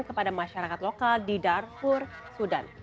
kepada masyarakat lokal di darfur sudan